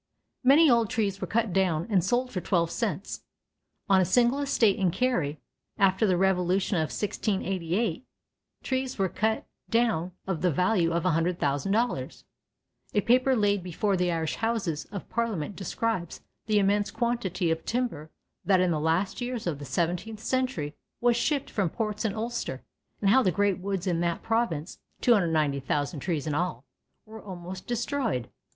Many old trees were cut down and sold for twelve cents. On a single estate in Kerry, after the revolution of 1688, trees were cut down of the value of $100,000. A paper laid before the Irish houses of parliament describes the immense quantity of timber that in the last years of the seventeenth century was shipped from ports in Ulster, and how the great woods in that province (290,000 trees in all) were almost destroyed.